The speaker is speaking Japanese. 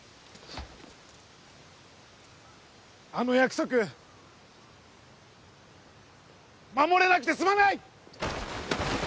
あの約束守れなくてすまない！